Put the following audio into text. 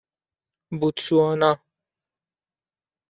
بوتسوانا